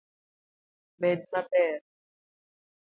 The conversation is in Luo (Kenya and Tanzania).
Bed maber.